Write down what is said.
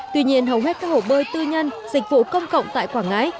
tuy nhiên hầu hết các hồ bơi tư nhân dịch vụ công cộng tại quảng ngãi